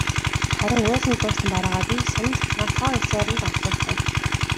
Харин ууланд нуусан бараагаа би сумын захиргаанд тоо ёсоор нь данслуулсан.